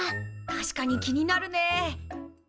確かに気になるね。